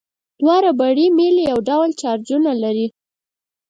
دوه ربړي میلې یو ډول چارجونه لري.